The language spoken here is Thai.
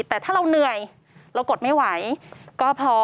แต่ถ้าเราเหนื่อยเรากดไม่ไหวก็พอ